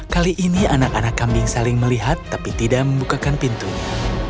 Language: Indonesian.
kali ini anak anak kambing saling melihat tapi tidak membukakan pintunya